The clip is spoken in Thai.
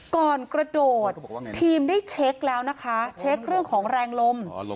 ก่อนกระโดดทีมได้เช็คแล้วนะคะเช็คเรื่องของแรงลม